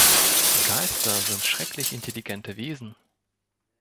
Geister sind schrecklich intelligente Wesen.